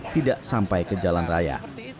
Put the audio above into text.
tidak sampai ke jalan raya